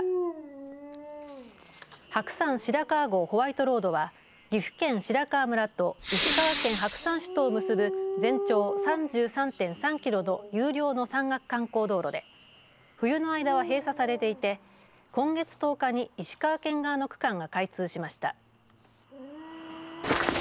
ホワイトロードは岐阜県白川村と石川県白山市とを結ぶ全長３３．３キロの有料の山岳観光道路で冬の間は、閉鎖されていて今月１０日に石川県側の区間が開通しました。